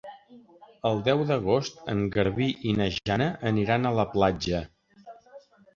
El deu d'agost en Garbí i na Jana aniran a la platja.